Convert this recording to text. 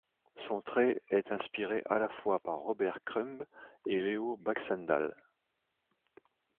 Son trait est inspiré à la fois par Robert Crumb et Leo Baxendale.